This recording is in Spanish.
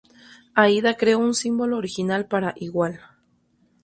Aida creó un símbolo original para "igual".